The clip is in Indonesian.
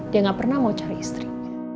dia nggak pernah mau cari istri